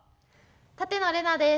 舘野伶奈です。